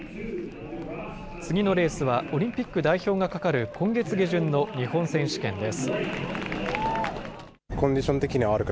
次のレースはオリンピック代表がかかる今月下旬の日本選手権です。